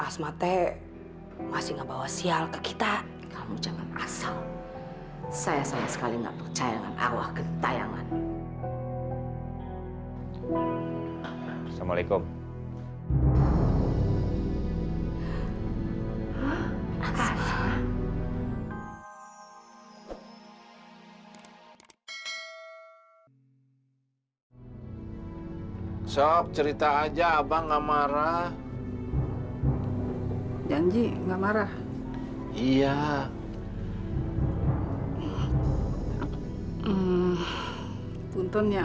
sampai jumpa di video selanjutnya